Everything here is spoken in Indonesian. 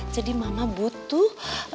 jadi mama butuh